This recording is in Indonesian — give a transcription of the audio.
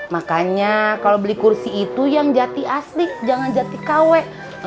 makanya kalau beli kursi itu yang jati asli jangan jati kw